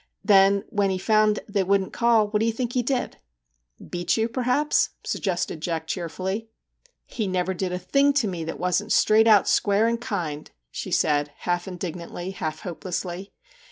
* Then when he found they wouldn't call, what do you think he did ?'' Beat you, perhaps,' suggested Jack cheer fully. ' He never did a thing to me that wasn't straight out, square, and kind/ she said, half indignantly, half hopelessly.